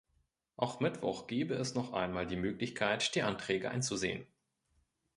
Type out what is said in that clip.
Auch Mittwoch gäbe es noch einmal die Möglichkeit die Anträge einzusehen.